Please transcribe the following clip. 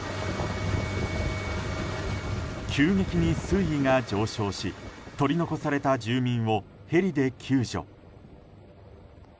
急激に水位が上昇し取り残された住民をヘリで救助。